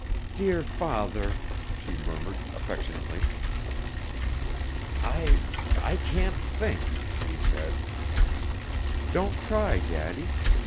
"Dear father," she murmured affectionately. "I I can't think," he said. "Don't try, Daddy.